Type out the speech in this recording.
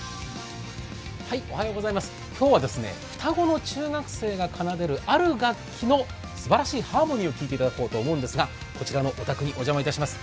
今日は双子の中学生が奏でる、ある楽器のすばらしいハーモニーを聴いていただこうと思うんですが、こちらのお宅にお邪魔いたします。